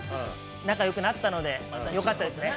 仲よくなったので、よかったですね。